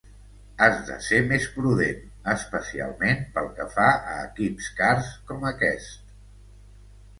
Has de ser més prudent, especialment pel que fa a equips cars com aquest.